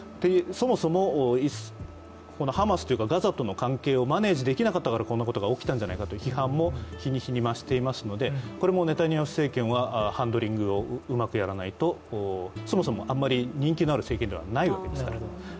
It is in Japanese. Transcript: そもそもハマスとガザとの関係をマネージできなかったからこんなことが起きたんじゃないかという批判も日に日に増していますのでこれもネタニヤフ政権はハンドリングをうまくやらないと、そもそもあまり人気のある政権ではないですから。